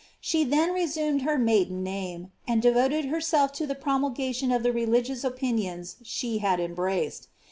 She then resumed her maiden name, and devoted herself to the promulgation of the religious opinions she had embraced.